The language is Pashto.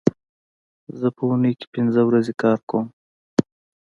زه په اونۍ کې پینځه ورځې کار کوم